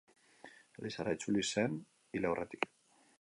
Elizara itzuli zen hil aurretik.